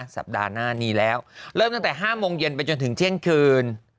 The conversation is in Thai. สัปดาห์หน้านี้แล้วเริ่มตั้งแต่๕โมงเย็นไปจนถึงเที่ยงคืน